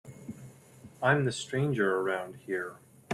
I'm the stranger around here.